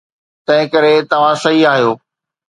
تنهنڪري توهان صحيح آهيو.